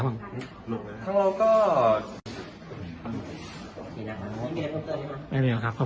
ช่วยด้วยบรรยายคนภาษาในประชาติฟัง